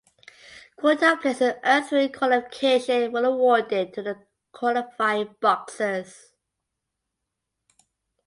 Quota places earned through qualification were awarded to the qualifying boxers.